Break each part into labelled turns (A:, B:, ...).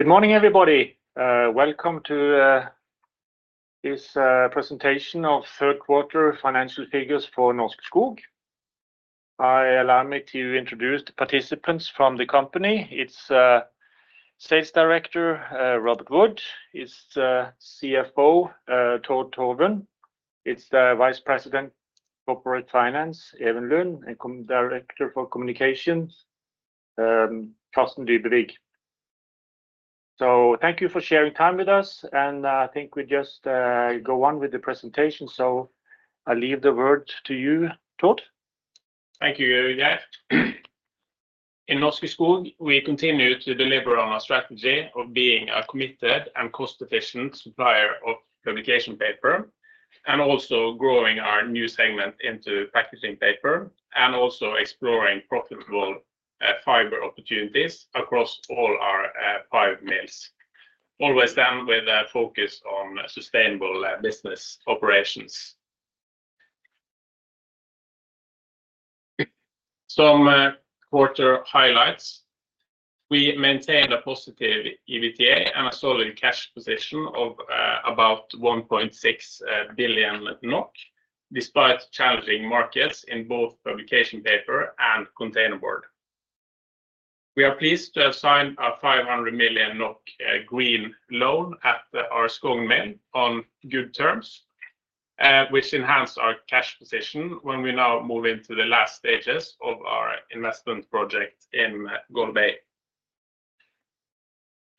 A: Good morning, everybody. Welcome to this Presentation of Third Quarter Financial Figures for Norske Skog. Let me introduce the participants from the company. It's Sales Director Robert Wood, it's CFO Tord Torvund, it's the Vice President Corporate Finance Even Lund, and Communications Director Carsten Dybevig. So thank you for sharing time with us, and I think we just go on with the presentation. So I leave the word to you, Tord.
B: Thank you, Øyvind. In Norske Skog, we continue to deliver on our strategy of being a committed and cost-efficient supplier of publication paper, and also growing our new segment into Packaging Paper, and also exploring profitable, fiber opportunities across all our, five mills. Always done with a focus on sustainable, business operations. Some quarter highlights. We maintained a positive EBITDA and a solid cash position of, about 1.6 billion NOK, despite challenging markets in both publication paper and containerboard. We are pleased to have signed a 500 million NOK, green loan at our Skogn mill on good terms, which enhanced our cash position when we now move into the last stages of our investment project in Golbey.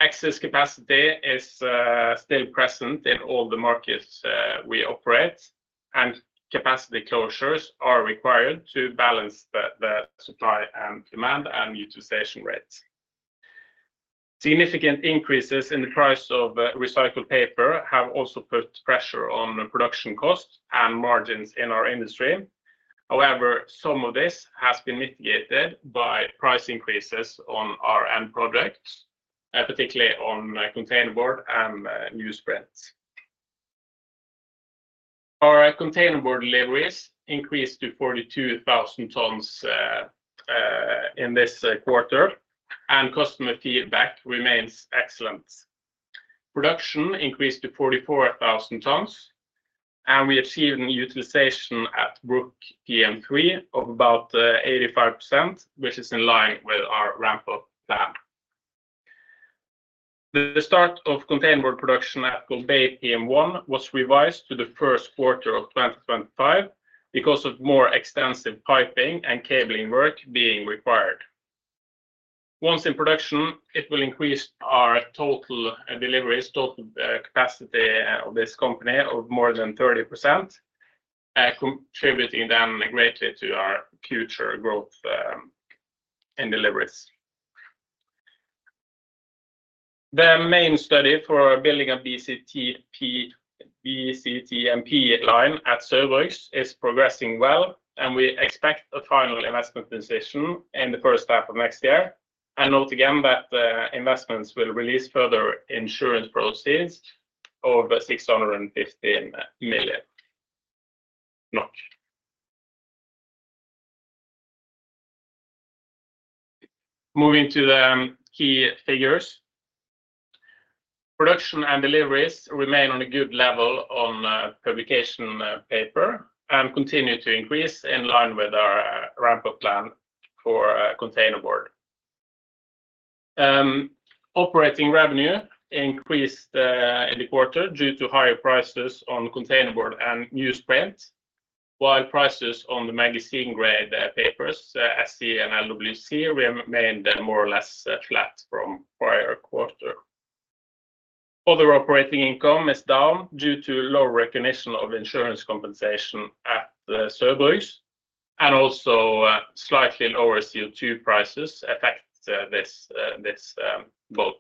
B: Excess capacity is still present in all the markets we operate, and capacity closures are required to balance the supply and demand and utilization rates. Significant increases in the price of recycled paper have also put pressure on production costs and margins in our industry. However, some of this has been mitigated by price increases on our end products, particularly on containerboard and newsprint. Our containerboard deliveries increased to forty-two thousand tons in this quarter, and customer feedback remains excellent. Production increased to 44,000 tons, and we achieved an utilization at Bruck PM3 of about 85%, which is in line with our ramp-up plan. The start of containerboard production at Golbey PM1 was revised to the first quarter of 2025 because of more extensive piping and cabling work being required. Once in production, it will increase our total deliveries, total capacity of this company of more than 30%, contributing then greatly to our future growth in deliveries. The main study for building a BCTMP line at Saugbrugs is progressing well, and we expect a final investment decision in the first half of next year. Note again that investments will release further insurance proceeds of NOK 615 million. Moving to the key figures. Production and deliveries remain on a good level on publication paper and continue to increase in line with our ramp-up plan for containerboard. Operating revenue increased in the quarter due to higher prices on containerboard and newsprint, while prices on the magazine papers, SC and LWC, remained more or less flat from prior quarter. Other operating income is down due to low recognition of insurance compensation at the Saugbrugs, and also, slightly lower CO2 prices affect this book.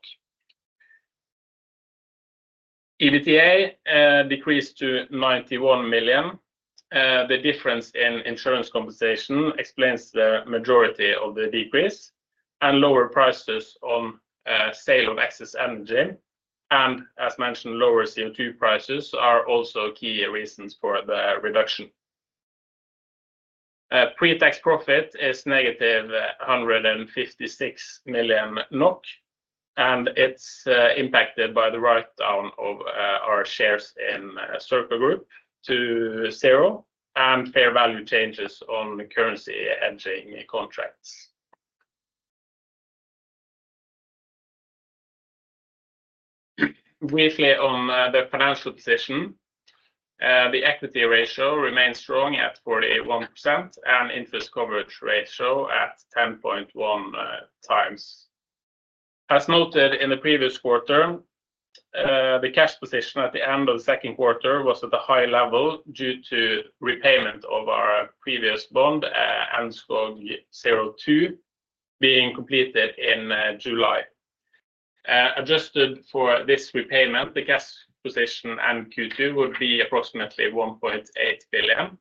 B: EBITDA decreased to 91 million. The difference in insurance compensation explains the majority of the decrease, and lower prices on sale of excess energy, and as mentioned, lower CO2 prices are also key reasons for the reduction. Pre-tax profit is -156 million NOK, and it's impacted by the write-down of our shares in Circa Group to zero and fair value changes on currency hedging contracts. Briefly on the financial position, the equity ratio remains strong at 41% and interest coverage ratio at 10.1 times. As noted in the previous quarter, the cash position at the end of the second quarter was at a high level due to repayment of our previous bond, NSG02, being completed in July. Adjusted for this repayment, the cash position in Q2 would be approximately 1.8 billion,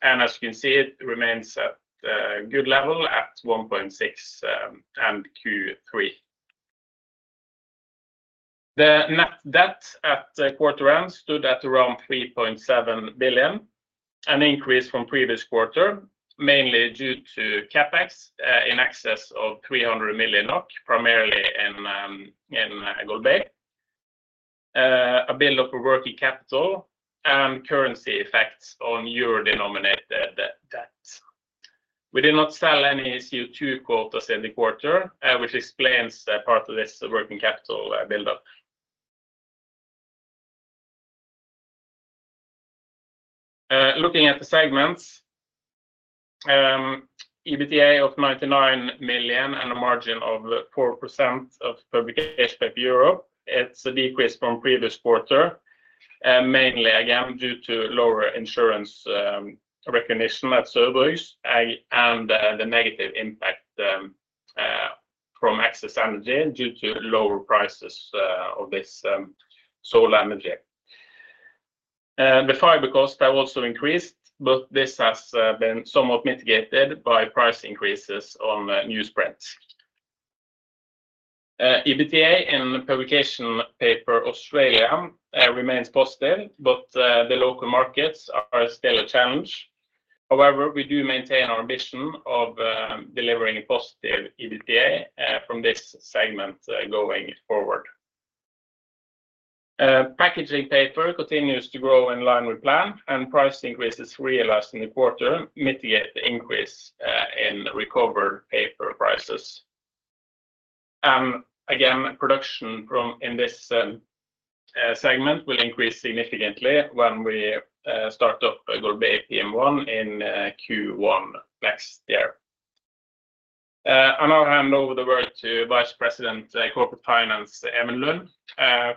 B: and as you can see, it remains at a good level at 1.6 billion and Q3. The net debt at the quarter end stood at around 3.7 billion, an increase from previous quarter, mainly due to CapEx in excess of 300 million NOK, primarily in Golbey. A build up of working capital and currency effects on euro-denominated debt. We did not sell any CO2 quotas in the quarter, which explains part of this working capital buildup. Looking at the segments, EBITDA of 99 million and a margin of 4% of Publication Paper Europe. It's a decrease from previous quarter, mainly again, due to lower insurance recognition at Skogn, and the negative impact from excess energy due to lower prices of this solar energy. The fiber cost have also increased, but this has been somewhat mitigated by price increases on newsprint. EBITDA in the Publication Paper Australia remains positive, but the local markets are still a challenge. However, we do maintain our ambition of delivering a positive EBITDA from this segment going forward. Packaging paper continues to grow in line with plan, and price increases realized in the quarter mitigate the increase in recovered paper prices. Again, production from in this segment will increase significantly when we start up Golbey PM1 in Q1 next year. I'll hand over the word to Vice President, Corporate Finance, Even Lund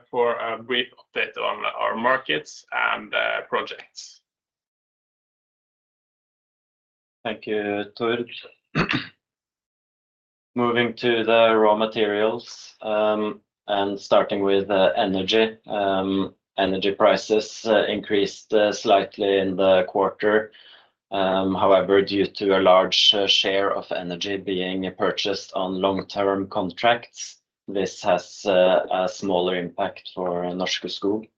B: for a brief update on our markets and projects.
C: Thank you, Tord. Moving to the raw materials, and starting with the energy. Energy prices increased slightly in the quarter. However, due to a large share of energy being purchased on long-term contracts, this has a smaller impact for Norske Skog.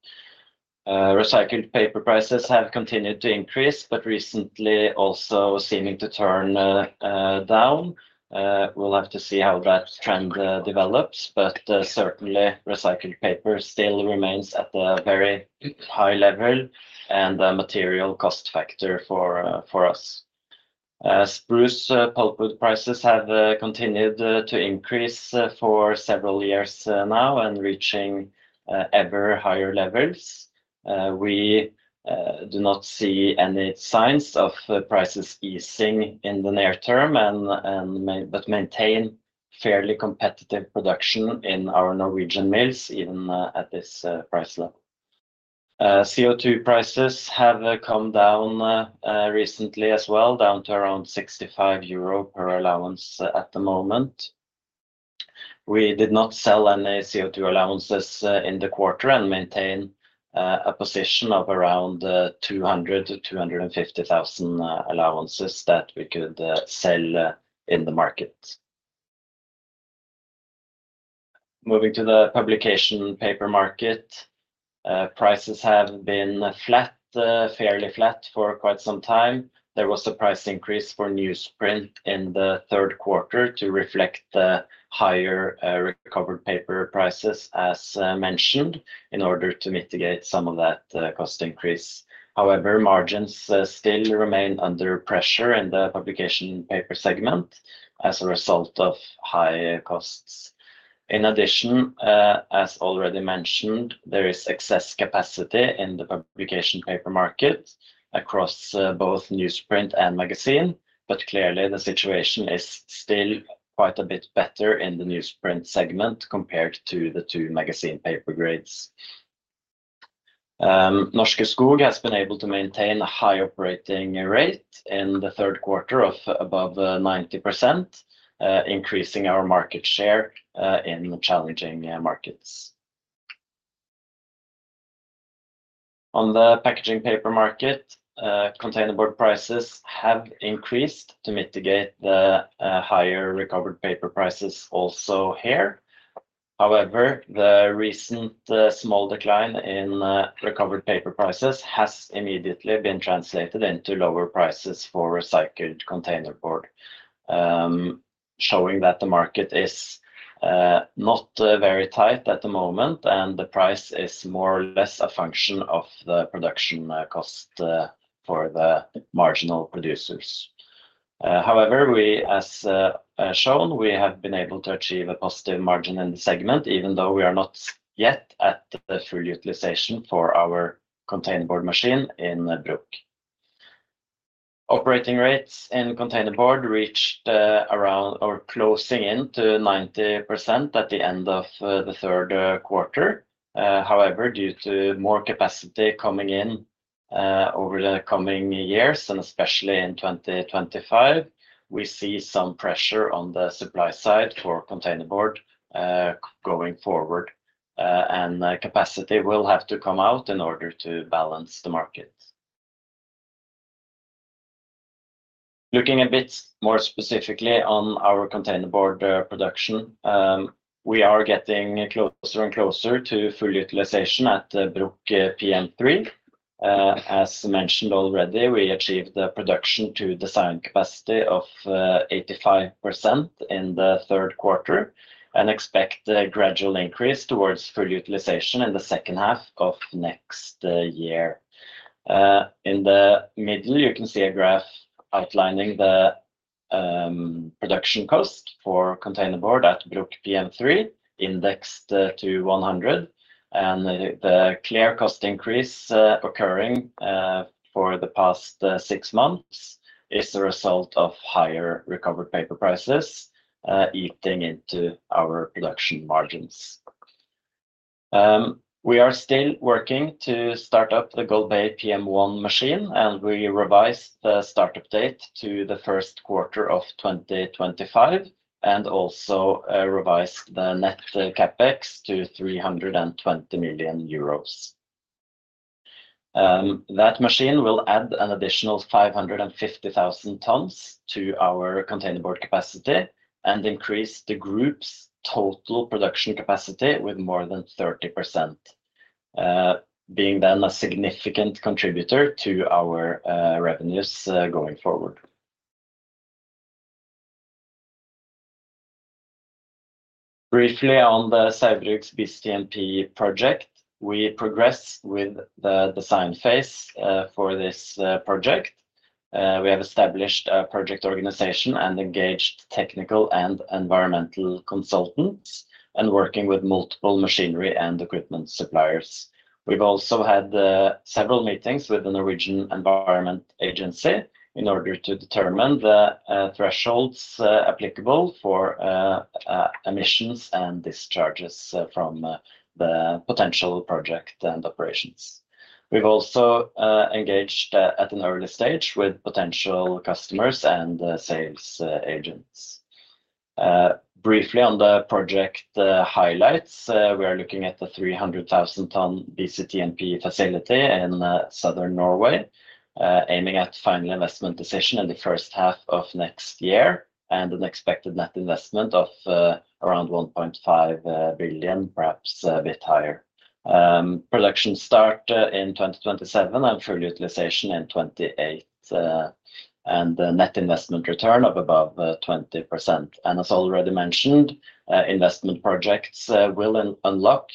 C: Recycled paper prices have continued to increase, but recently also seeming to turn down. We'll have to see how that trend develops, but certainly recycled paper still remains at a very high level and a material cost factor for us. Spruce pulpwood prices have continued to increase for several years now, and reaching ever higher levels. We do not see any signs of prices easing in the near term but maintain fairly competitive production in our Norwegian mills, even at this price level. CO2 prices have come down recently as well, down to around 65 euro per allowance at the moment. We did not sell any CO2 allowances in the quarter, and maintain a position of around 200,000-250,000 allowances that we could sell in the market. Moving to the publication paper market, prices have been flat, fairly flat for quite some time. There was a price increase for newsprint in the third quarter to reflect the higher recovered paper prices, as mentioned, in order to mitigate some of that cost increase. However, margins still remain under pressure in the publication paper segment as a result of high costs. In addition, as already mentioned, there is excess capacity in the publication paper market across both newsprint and magazine, but clearly the situation is still quite a bit better in the newsprint segment compared to the two magazine paper grades. Norske Skog has been able to maintain a high operating rate in the third quarter of above 90%, increasing our market share in the challenging markets. On the packaging paper market, containerboard prices have increased to mitigate the higher recovered paper prices also here. However, the recent small decline in recovered paper prices has immediately been translated into lower prices for recycled containerboard, showing that the market is not very tight at the moment, and the price is more or less a function of the production cost for the marginal producers. However, as shown, we have been able to achieve a positive margin in the segment, even though we are not yet at the full utilization for our containerboard machine in Bruck. Operating rates in containerboard reached around or closing in to 90% at the end of the third quarter. However, due to more capacity coming in over the coming years, and especially in 2025, we see some pressure on the supply side for containerboard going forward, and the capacity will have to come out in order to balance the market. Looking a bit more specifically on our containerboard production, we are getting closer and closer to full utilization at the Bruck PM3. As mentioned already, we achieved the production to design capacity of 85% in the third quarter, and expect a gradual increase towards full utilization in the second half of next year. In the middle, you can see a graph outlining the production cost for containerboard at Bruck PM3, indexed to 100, and the clear cost increase occurring for the past six months is a result of higher recovered paper prices eating into our production margins. We are still working to start up the Golbey PM1 machine, and we revised the start-up date to the first quarter of 2025, and also revised the net CapEx to 320 million euros. That machine will add an additional 550,000 tons to our containerboard capacity and increase the group's total production capacity with more than 30%, being then a significant contributor to our revenues going forward. Briefly on the Saugbrugs BCTMP project, we progressed with the design phase for this project. We have established a project organization and engaged technical and environmental consultants, and working with multiple machinery and equipment suppliers. We've also had several meetings with the Norwegian Environment Agency in order to determine the thresholds applicable for emissions and discharges from the potential project and operations. We've also engaged at an early stage with potential customers and sales agents. Briefly on the project highlights, we are looking at the 300,000-ton BCTMP facility in southern Norway, aiming at final investment decision in the first half of next year, and an expected net investment of around 1.5 billion, perhaps a bit higher. Production start in 2027, and full utilization in 2028, and a net investment return of above 20%. As already mentioned, investment projects will unlock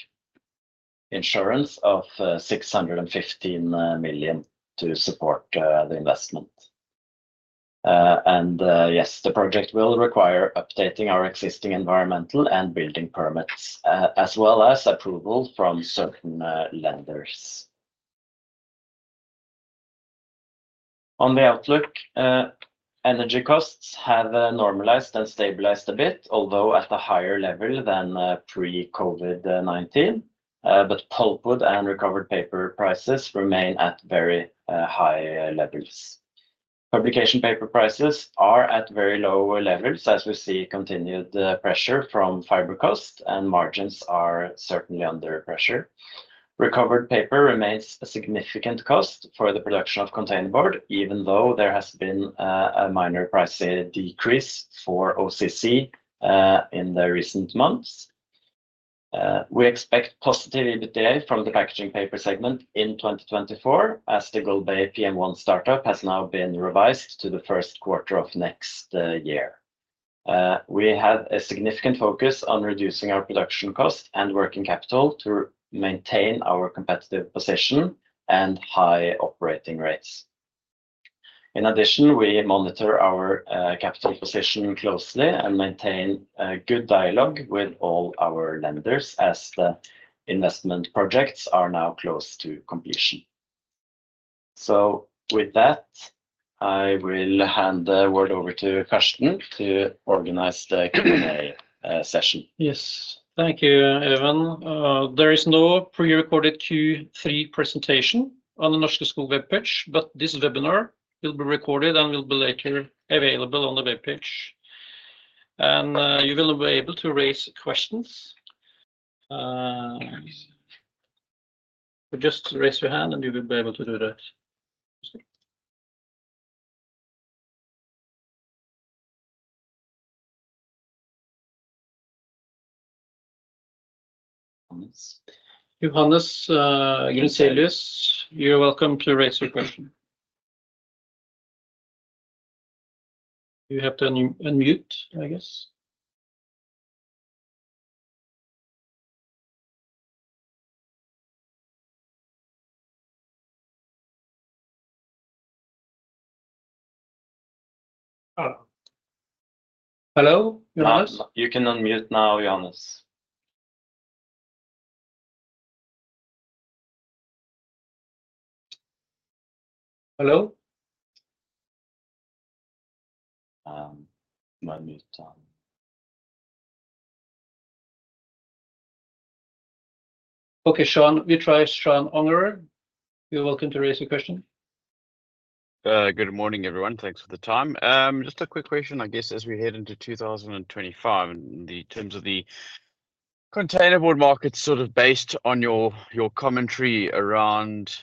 C: insurance of 615 million to support the investment. Yes, the project will require updating our existing environmental and building permits, as well as approval from certain lenders. On the outlook, energy costs have normalized and stabilized a bit, although at a higher level than pre-COVID-19. But pulpwood and recovered paper prices remain at very high levels. Publication paper prices are at very low levels as we see continued pressure from fiber cost, and margins are certainly under pressure. Recovered paper remains a significant cost for the production of containerboard, even though there has been a minor price decrease for OCC in the recent months. We expect positive EBITDA from the packaging paper segment in twenty twenty-four, as the Golbey PM1 startup has now been revised to the first quarter of next year. We have a significant focus on reducing our production cost and working capital to maintain our competitive position and high operating rates. In addition, we monitor our capital position closely and maintain a good dialogue with all our lenders as the investment projects are now close to completion. So with that, I will hand the word over to Carsten to organize the Q&A session.
D: Yes. Thank you, Even. There is no pre-recorded Q3 presentation on the Norske Skog webpage, but this webinar will be recorded and will be later available on the webpage. And you will be able to raise questions. Just raise your hand, and you will be able to do that. Johannes Grunselius, you're welcome to raise your question. You have to unmute, I guess. Hello, Johannes?
C: You can unmute now, Johannes.
D: Hello?
C: Unmute.
D: Okay, Sean, we try Sean Ungerer. You're welcome to raise your question.
E: Good morning, everyone. Thanks for the time. Just a quick question, I guess, as we head into 2025, in the terms of the BC-... containerboard market, sort of based on your, your commentary around-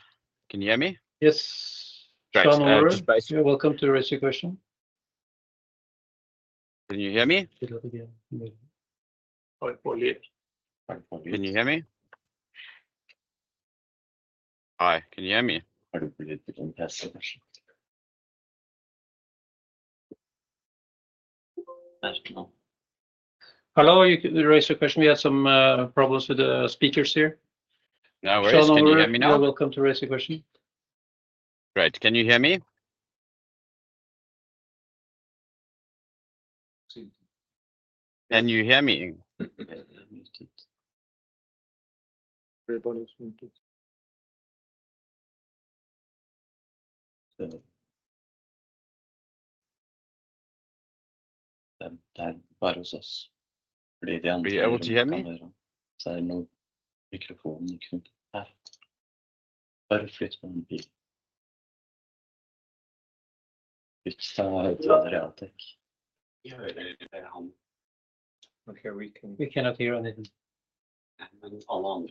E: Can you hear me?
D: Yes.
E: Great.
D: Sean Ungerer, you're welcome to raise your question.
E: Can you hear me?
D: Say that again....
E: Can you hear me? Hi, can you hear me?
F: I don't believe you can hear so much.
D: Hello, you can raise your question. We have some problems with the speakers here.
E: No worries. Can you hear me now?
D: Sean Ungerer, you're welcome to raise your question.
E: Great. Can you hear me? Can you hear me?
F: Yeah, muted....
C: Then process.
E: Be able to hear me?
F: Microphone. Or flip my mobile. It's,
D: Okay, we can- We cannot hear anything.
F: Yeah, but all other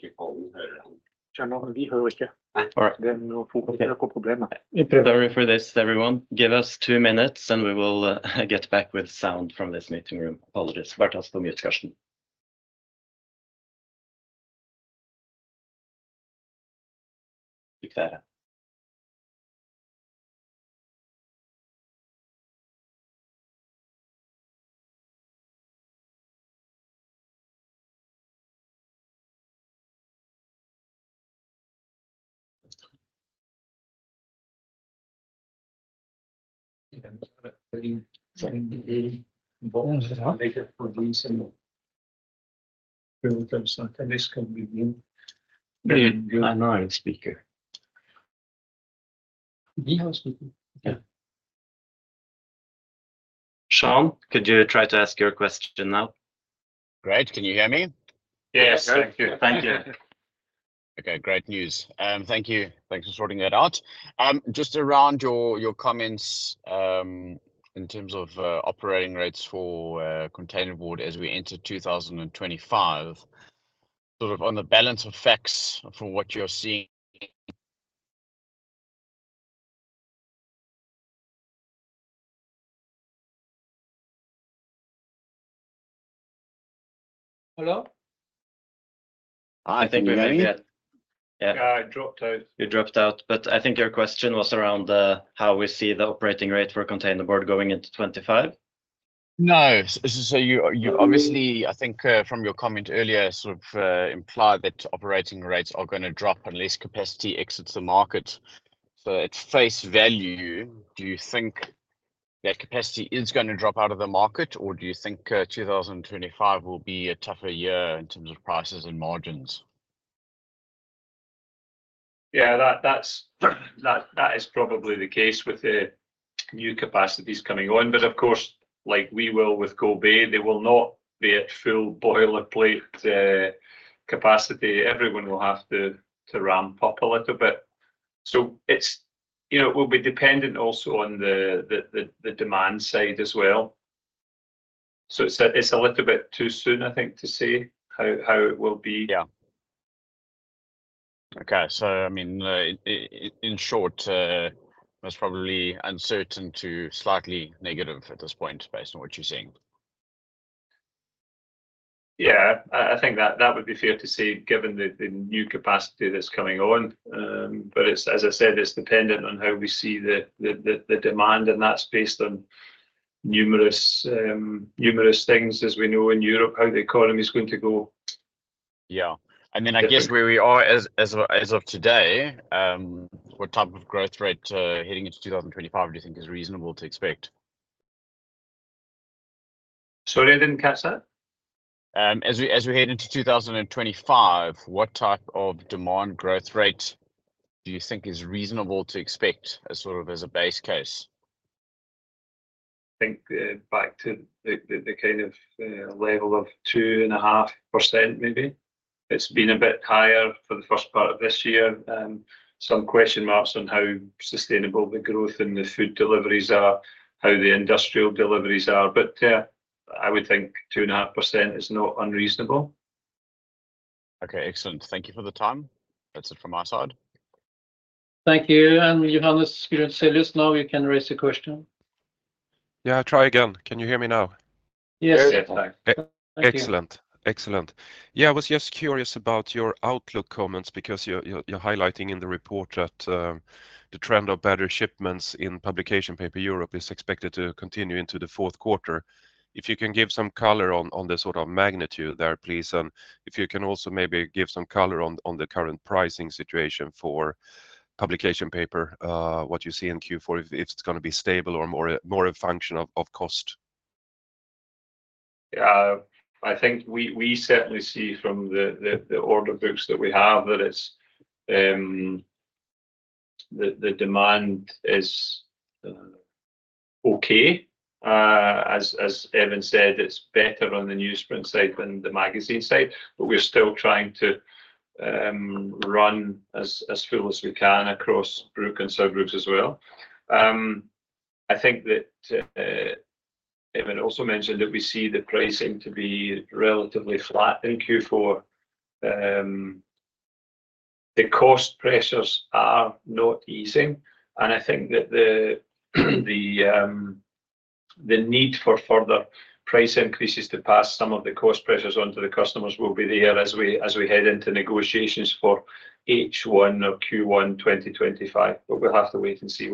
F: people hear him.
C: Sean, we hear okay.
E: All right.
D: Then no focus on the problem.
F: Sorry for this, everyone. Give us two minutes, and we will get back with sound from this meeting room. Apologies. But ask the mute question. You can hear? I think the volume is better for this and then we can start, and this can be mute. You are not on speaker.
D: We have speaker.
C: Yeah.
D: Sean, could you try to ask your question now?
E: Great. Can you hear me?
F: Yes. Great. Thank you.
D: Thank you.
E: Okay, great news. Thank you. Thanks for sorting that out. Just around your comments in terms of operating rates for containerboard as we enter 2025. Sort of on the balance of facts from what you're seeing...
D: Hello?
E: Hi, can you hear me?
F: I think we might get.
B: Yeah. Yeah, it dropped out.
C: You dropped out, but I think your question was around how we see the operating rate for containerboard going into 2025.
E: No. So you, you obviously, I think, from your comment earlier, sort of, implied that operating rates are gonna drop unless capacity exits the market. So at face value, do you think that capacity is gonna drop out of the market, or do you think, 2025 will be a tougher year in terms of prices and margins?
B: Yeah, that's probably the case with the new capacities coming on. But of course, like we will with Golbey, they will not be at full nameplate capacity. Everyone will have to ramp up a little bit. So it's, you know, it will be dependent also on the demand side as well. So it's a little bit too soon, I think, to say how it will be.
E: Yeah. Okay. So I mean, in short, that's probably uncertain to slightly negative at this point, based on what you're seeing.
B: Yeah, I think that would be fair to say, given the new capacity that's coming on. But it's, as I said, it's dependent on how we see the demand, and that's based on numerous things, as we know in Europe, how the economy's going to go.
E: Yeah.
B: But-
E: I guess where we are as of today, what type of growth rate heading into 2025 do you think is reasonable to expect?
B: Sorry, I didn't catch that.
E: As we head into 2025, what type of demand growth rate do you think is reasonable to expect as sort of a base case?
B: I think back to the kind of level of 2.5%, maybe. It's been a bit higher for the first part of this year, some question marks on how sustainable the growth in the food deliveries are, how the industrial deliveries are. But I would think 2.5% is not unreasonable.
E: Okay, excellent. Thank you for the time. That's it from my side.
D: Thank you. And Johannes Grunselius, now you can raise your question.
G: Yeah, I'll try again. Can you hear me now?
D: Yes.
F: Very clear.
G: Excellent, excellent. Yeah, I was just curious about your outlook comments, because you're highlighting in the report that the trend of better shipments in publication paper Europe is expected to continue into the fourth quarter. If you can give some color on the sort of magnitude there, please, and if you can also maybe give some color on the current pricing situation for publication paper, what you see in Q4, if it's gonna be stable or more a function of cost.
B: Yeah. I think we certainly see from the order books that we have that it's the demand is okay. As Even said, it's better on the newsprint side than the magazine side, but we're still trying to run as full as we can across Bruck and Saugbrugs as well. I think that Even also mentioned that we see the pricing to be relatively flat in Q4. The cost pressures are not easing, and I think that the need for further price increases to pass some of the cost pressures onto the customers will be there as we head into negotiations for H1 Q1 2025, but we'll have to wait and see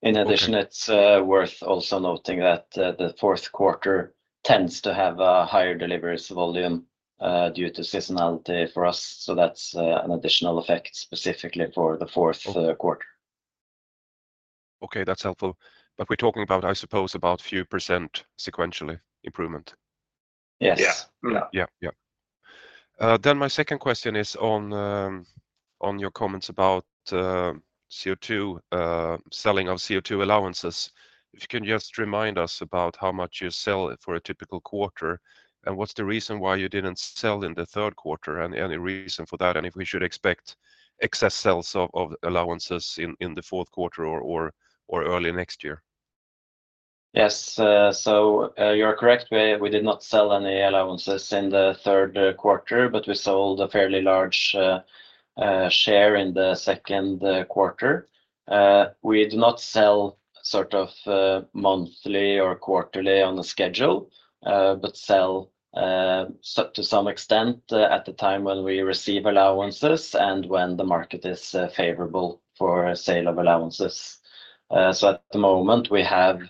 B: what happens.
C: In addition, it's worth also noting that the fourth quarter tends to have a higher deliveries volume due to seasonality for us. So that's an additional effect specifically for the fourth quarter.
G: Okay, that's helpful. But we're talking about, I suppose, about few percent sequentially improvement?
C: Yes.
F: Yeah.
G: Yeah. Yeah. Then my second question is on your comments about CO2 selling of CO2 allowances. If you can just remind us about how much you sell for a typical quarter, and what's the reason why you didn't sell in the third quarter? And any reason for that, and if we should expect excess sales of allowances in the fourth quarter or early next year?
C: Yes. So, you're correct. We did not sell any allowances in the third quarter, but we sold a fairly large share in the second quarter. We do not sell sort of monthly or quarterly on a schedule, but sell so to some extent at the time when we receive allowances and when the market is favorable for sale of allowances. So at the moment, we have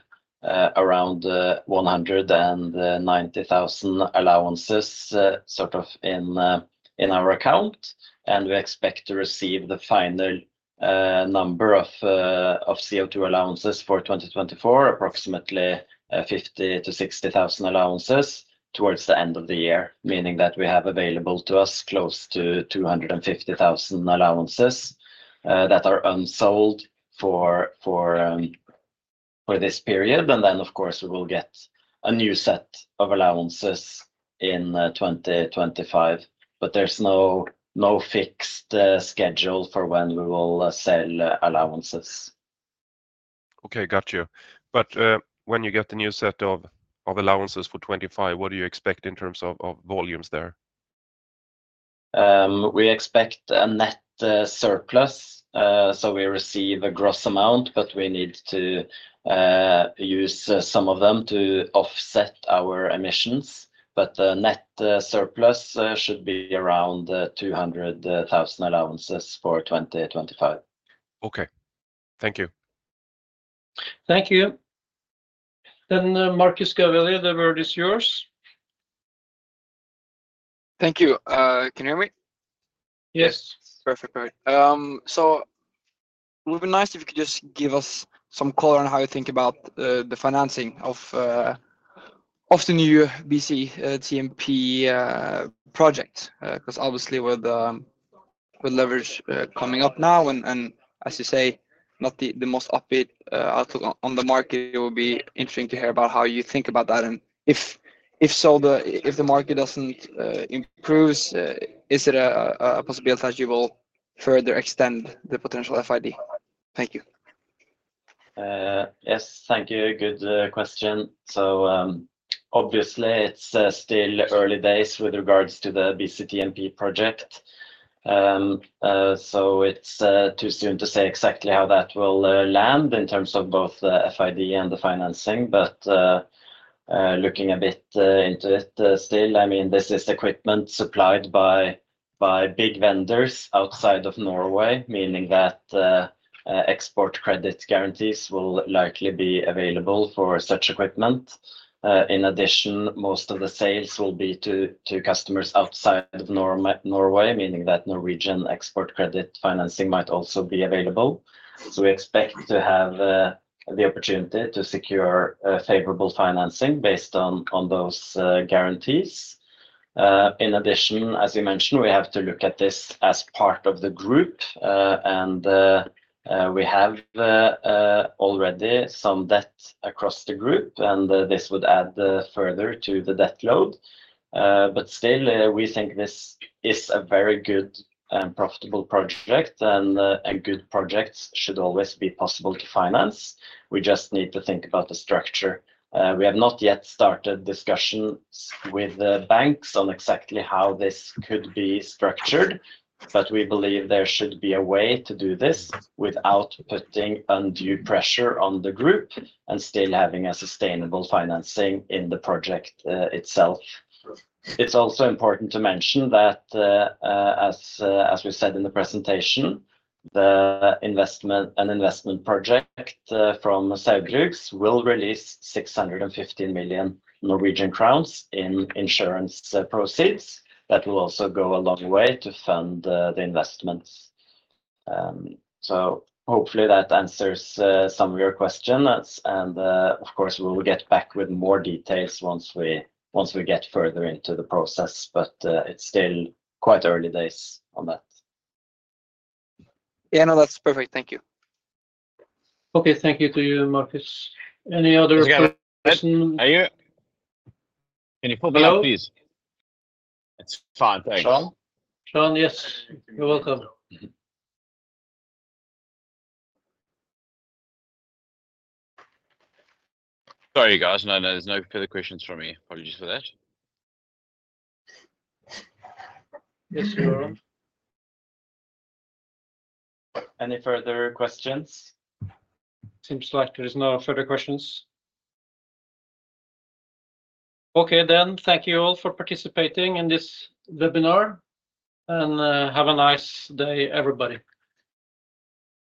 C: around 190,000 allowances sort of in our account, and we expect to receive the final number of CO2 allowances for 2024, approximately 50,000-60,000 allowances towards the end of the year. Meaning that we have available to us close to 250,000 allowances that are unsold for this period, and then, of course, we will get a new set of allowances in 2025. But there's no fixed schedule for when we will sell allowances.
G: Okay, got you. But when you get the new set of allowances for 2025, what do you expect in terms of volumes there?
C: We expect a net surplus. So we receive a gross amount, but we need to use some of them to offset our emissions. But the net surplus should be around 200,000 allowances for 2025.
G: Okay. Thank you.
D: Thank you. Then, Marcus Gavelli, the word is yours.
H: Thank you. Can you hear me?
D: Yes.
H: Perfect. Great. So it would be nice if you could just give us some color on how you think about the financing of the new BCTMP project. 'Cause obviously, with the leverage coming up now and as you say, not the most upbeat outlook on the market, it will be interesting to hear about how you think about that. If the market doesn't improves, is it a possibility that you will further extend the potential FID? Thank you.
C: Yes. Thank you. Good question. So, obviously, it's still early days with regards to the BCTMP project. So it's too soon to say exactly how that will land in terms of both the FID and the financing. But looking a bit into it, still, I mean, this is equipment supplied by big vendors outside of Norway, meaning that export credit guarantees will likely be available for such equipment. In addition, most of the sales will be to customers outside of Norway, meaning that Norwegian export credit financing might also be available. So we expect to have the opportunity to secure favorable financing based on those guarantees. In addition, as you mentioned, we have to look at this as part of the group. And we have already some debt across the group, and this would add further to the debt load. But still, we think this is a very good and profitable project, and a good project should always be possible to finance. We just need to think about the structure. We have not yet started discussions with the banks on exactly how this could be structured, but we believe there should be a way to do this without putting undue pressure on the group and still having a sustainable financing in the project itself. It's also important to mention that, as we said in the presentation, the investment, an investment project, from Saugbrugs will release 615 million Norwegian crowns in insurance proceeds. That will also go a long way to fund the investments. So hopefully that answers some of your questions. And, of course, we will get back with more details once we get further into the process, but it's still quite early days on that.
H: Yeah, no, that's perfect. Thank you.
D: Okay. Thank you to you, Marcus. Any other question?
E: Can you pull me up, please? It's fine. Thank you.
D: Sean? Sean, yes. You're welcome.
E: Sorry, guys. No, no, there's no further questions from me. Apologies for that.
D: Yes, you are.
C: Any further questions?
D: Seems like there is no further questions. Okay, then. Thank you all for participating in this webinar, and have a nice day, everybody.